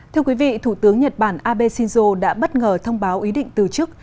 thưa quý vị thủ tướng nhật bản abe shinzo đã bất ngờ thông báo ý định từ chức